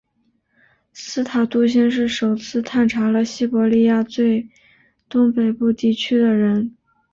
斯塔杜欣是首次探查了西伯利亚最东北部地区的人。